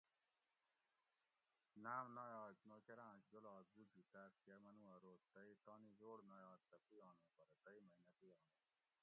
ناۤم ناۤیکہ نوکراں جولاگ بُجی تاۤس کہ منُو ارو تئ تانی زوڑ نایاک تہ پُویانُو پرہ تئ مئ نہ پُویانُو